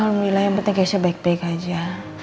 alhamdulillah yang penting keisha baik baik aja